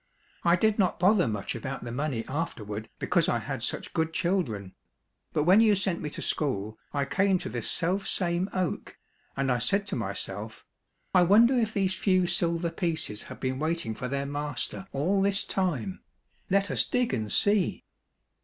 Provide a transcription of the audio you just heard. I did not bother much about the money afterward, because I had such good chil dren ; but when you sent me to school I came to this self same oak, and I said to myself, " I wonder if these few silver pieces have been waiting for their master 222 THE UNGRATEFUL CHILDREN all this time! Let us dig and see."